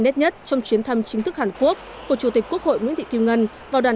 nét nhất trong chuyến thăm chính thức hàn quốc của chủ tịch quốc hội nguyễn thị kim ngân và đoàn